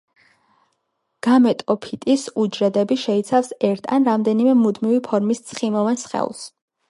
გამეტოფიტის უჯრედები შეიცავს ერთ ან რამდენიმე მუდმივი ფორმის ცხიმოვან სხეულს.